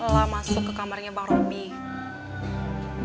lah masuk ke kamarnya bang robi